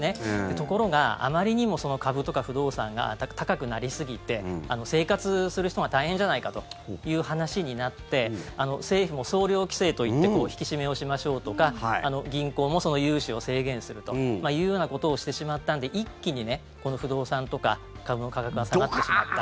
ところが、あまりにも株とか不動産が高くなりすぎて生活する人が大変じゃないかという話になって政府も総量規制といって引き締めをしましょうとか銀行も融資を制限するということをしてしまったので一気に不動産とか株の価格が下がってしまって。